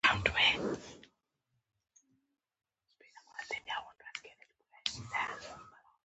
هغه د ستومنۍ خبره نه کوله.